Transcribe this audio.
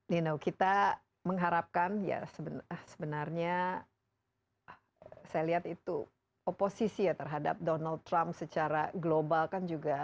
dino kita mengharapkan ya sebenarnya saya lihat itu oposisi ya terhadap donald trump secara global kan juga